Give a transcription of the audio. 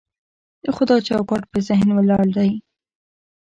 خو دا چوکاټ په ذهن ولاړ دی.